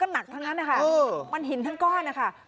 คือผู้ชายคนนี้พยายามจะเข้ามาในบ้านของคุณป้าท่านนี้